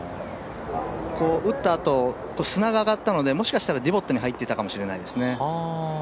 打ったあと、砂が上がったのでもしかしたらディボットに入っていたのかもしれないですね。